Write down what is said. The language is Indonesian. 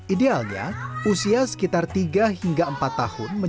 idealnya usia sekitar tiga hingga empat tahun